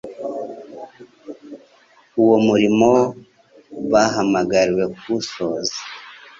uwo murimo bahamagariwe kuwusoza .